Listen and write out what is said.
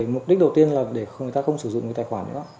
mục đích đầu tiên là để người ta không sử dụng cái tài khoản nữa